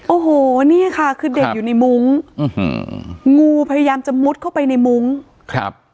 โอ้โหนี่ค่ะคือเด็กอยู่ในมุ้งอืมงูพยายามจะมุดเข้าไปในมุ้งครับ